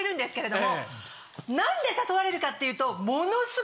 何で誘われるかっていうと。